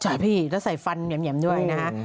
ใช่พี่แล้วใส่ฟันเหยียมด้วยนะฮะ